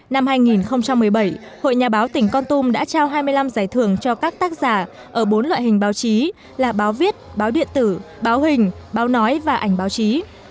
năm hai nghìn một mươi bảy hội nhà báo tỉnh con tum đã trao hai mươi năm giải thưởng cho các tác giả ở bốn loại hình báo chí là báo viết báo điện tử báo hình báo nói và ảnh báo chí